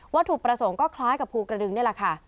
ถูกประสงค์ก็คล้ายกับภูกระดึงนี่แหละค่ะ